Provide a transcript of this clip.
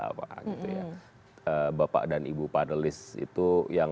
bahwa bapak dan ibu panelists itu yang